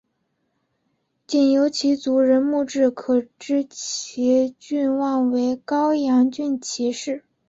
仅由其族人墓志可知其郡望为高阳郡齐氏。